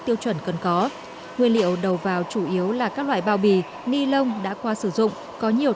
tiêu chuẩn cần có nguyên liệu đầu vào chủ yếu là các loại bao bì ni lông đã qua sử dụng có nhiều